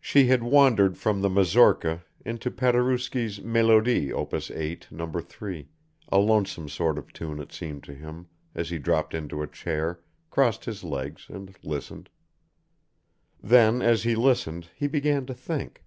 She had wandered from the Mazurka into Paderewski's Mélodie Op. 8. No. 3, a lonesome sort of tune it seemed to him, as he dropped into a chair, crossed his legs and listened. Then as he listened he began to think.